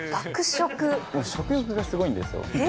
食欲がすごいんですよ。